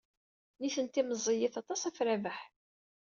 Nitenti meẓẓiyit aṭas ɣef Rabaḥ.